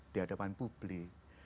di hadapan publik